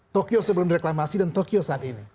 tokyo sebelum reklamasi dan tokyo saat ini